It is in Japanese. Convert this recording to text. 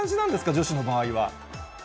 女子の場合は。